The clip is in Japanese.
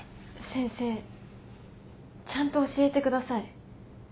先生ちゃんと教えてください。